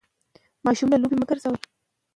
موږ به تر راتلونکي کاله خپل درسونه خلاص کړي وي.